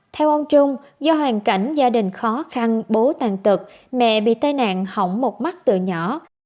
theo ông trung do hoàn cảnh gia đình khó khăn bố tàn tật mẹ bị tai nạn hỏng một mắt từ nhỏ